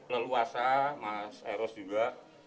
leluasa mas eros juga